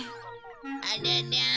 ありゃりゃ